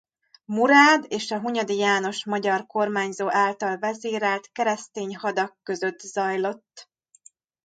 Murád és a Hunyadi János magyar kormányzó által vezérelt keresztény hadak között zajlott.